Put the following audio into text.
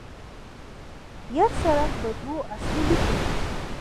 یاد سړک په دوو اصلي لیکو کې